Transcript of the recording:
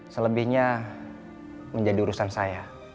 selebihnya menjadi urusan saya